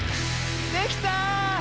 できた！